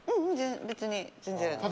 別に、全然。